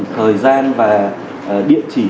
thời gian và địa chỉ